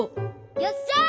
よっしゃ！